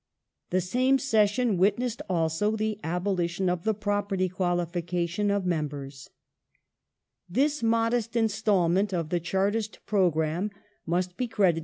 The same session witnessed, also, the abolition of the property qualification of mem bers. This modest instalment of the Chartist programme must be ^Q.V.L. iii. 368. ^Speechesy ed. Kebbel, ii.